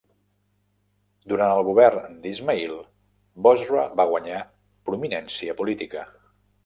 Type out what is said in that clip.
Durant el govern d'Ismail, Bosra va guanyar prominència política.